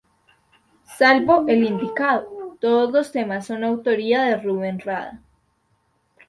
Salvo el indicado, todos los temas son autoría de Ruben Rada.